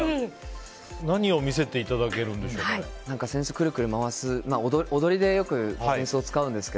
何を見せていただけるんですか。